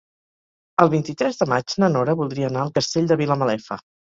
El vint-i-tres de maig na Nora voldria anar al Castell de Vilamalefa.